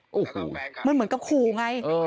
โอ้โหมันเหมือนกับขู่ไง